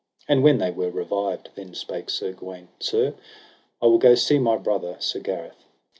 And when they were revived then spake Sir Gawaine: Sir, I will go see my brother, Sir Gareth.